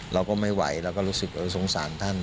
เราก็ไม่ไหวเราก็รู้สึกสงสารท่าน